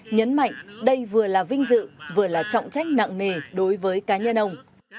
nhấn mạnh đây vừa là vinh dự vừa là trọng trách nặng nề đối với cá nhân ông